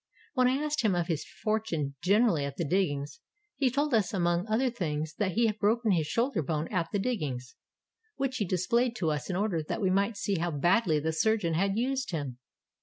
When I asked him of his fortune generally at the diggings, he told us among other things that he had broken his shoulder bone at the diggings, which he displayed to us in order that we might see how badly the surgeon had used him.